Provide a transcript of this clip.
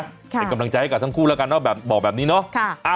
เป็นกำลังใจให้กับทั้งคู่แล้วกันเนอะแบบบอกแบบนี้เนาะ